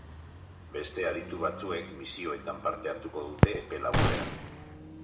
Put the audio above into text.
Beste aditu batzuek misioetan parte hartuko dute epe laburrera.